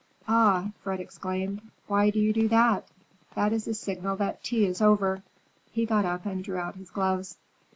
"Ah!" Fred exclaimed, "why do you do that? That is a signal that tea is over." He got up and drew out his gloves.